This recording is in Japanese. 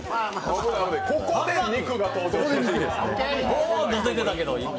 ここで肉が登場します。